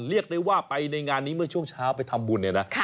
เรียกได้ว่าไปในงานนี้เมื่อช่วงเช้าไปทำบุญเนี่ยนะ